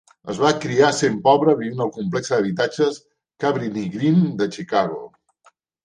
Es va criar sent pobre, vivint al complexe d'habitatges Cabrini-Green de Chicago.